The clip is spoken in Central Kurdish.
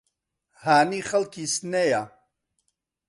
هانی خەڵکی سنەیە